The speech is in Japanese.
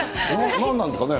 何なんですかね。